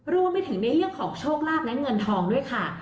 รวมไปถึงในเรื่องของโชคลาภและเงินทองด้วยค่ะ